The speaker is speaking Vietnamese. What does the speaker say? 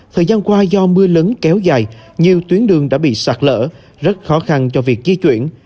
thời gian qua do mưa lớn kéo dài nhiều tuyến đường đã bị sạt lở rất khó khăn cho việc di chuyển